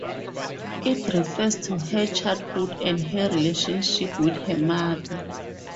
It refers to her childhood and her relationship with her mother.